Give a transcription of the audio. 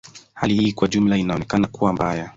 Hali kwa ujumla inaonekana kuwa mbaya.